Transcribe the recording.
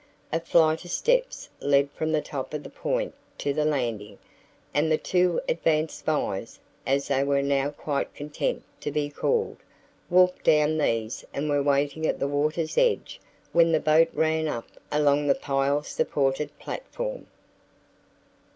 A flight of steps led from the top of the point to the landing, and the two advance spies, as they were now quite content to be called, walked down these and were waiting at the water's edge when the boat ran up along the pile supported platform.